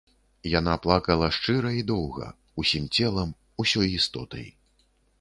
Яна плакала шчыра і доўга, усім целам, усёй істотай.